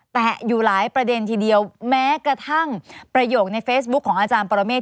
แตะอยู่หลายประเด็นทีเดียวแม้กระทั่งประโยคในเฟซบุ๊คของอาจารย์ปรเมฆ